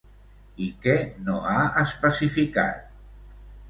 I què no ha especificat?